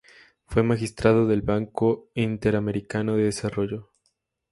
Fue magistrado del Banco Interamericano de Desarrollo.